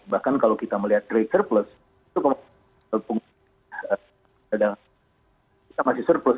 bahkan kalau kita melihat rate surplus itu masih surplus